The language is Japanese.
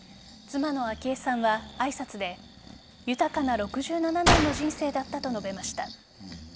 妻の昭恵さんは挨拶で豊かな６７年の人生だったと述べました。